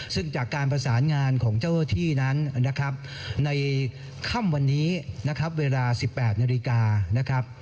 ซึ่งจากการประสานงานของเจ้าธีนั้นในค่ำวันนี้เวลา๑๘นาฬิกา